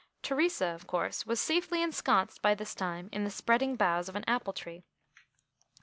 Theresa, of course, was safely ensconced by this time in the spreading boughs of an apple tree.